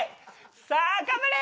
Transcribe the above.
さあ頑張れ！